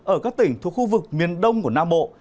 ở các tỉnh thuộc khu vực miền đông của nam bộ